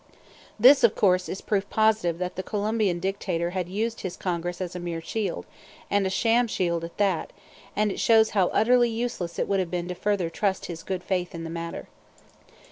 This, of course, is proof positive that the Colombian dictator had used his Congress as a mere shield, and a sham shield at that, and it shows how utterly useless it would have been further to trust his good faith in the matter.